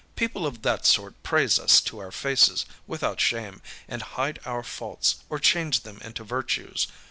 People of that sort praise us to our faces without shame, and hide our faults or change them into virtues.